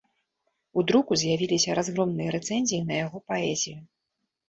У друку з'явіліся разгромныя рэцэнзіі на яго паэзію.